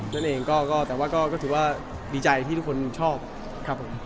นั่นเองก็แต่ว่าก็ถือว่าดีใจที่ทุกคนชอบครับผม